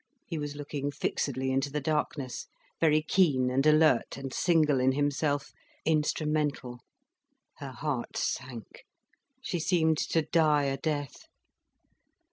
He was looking fixedly into the darkness, very keen and alert and single in himself, instrumental. Her heart sank, she seemed to die a death.